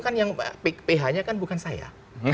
kan yang ph nya kan bukan saya